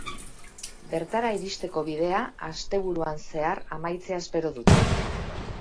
Bertara iristeko bidea asteburuan zehar amaitzea espero dute.